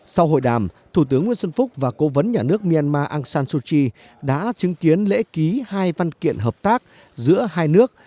sau hội đàm thủ tướng nguyễn xuân phúc và cố vấn nhà nước myanmar aung san suchi đã chứng kiến lễ ký hai văn kiện hợp tác giữa hai nước